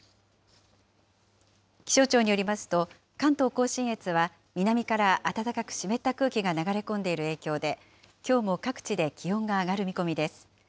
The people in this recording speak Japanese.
気象庁によりますと、関東甲信越は、南から暖かく湿った空気が流れ込んでいる影響で、きょうも各地で気温が上がる見込みです。